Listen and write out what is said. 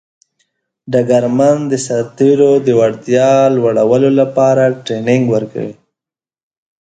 ډګرمن د سرتیرو د وړتیا لوړولو لپاره ټرینینګ ورکوي.